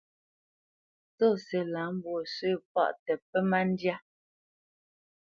Tsɔ́si lâ mbwǒ sǝ̂ paʼ tǝ pǝ má ndyá.